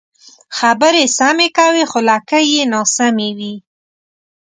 خبرې سمې کوې خو لکۍ یې ناسمې وي.